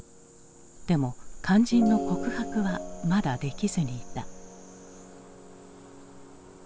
でも肝心の告白はまだできずにいた。